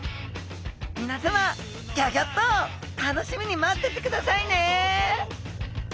みなさまギョギョッと楽しみに待っててくださいね！